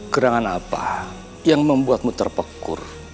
gerangan apa yang membuatmu terpekur